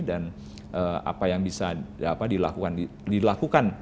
dan apa yang bisa dilakukan